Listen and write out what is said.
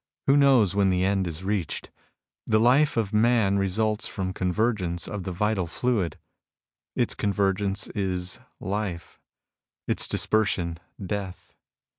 Who knows when the end is reached ? The life of man results from con vergence of the vital fluid. Its convergence is life ; its dispersion, death.